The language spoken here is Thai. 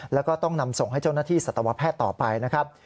แล้วก็ต้องนำส่งให้เจ้าหน้าที่สัตวแพทย์ต่อไปนะครับ